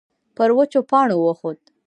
پر وچو پاڼو وخوت.